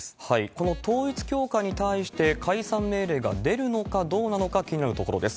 この統一教会に対して、解散命令が出るのかどうなのか、気になるところです。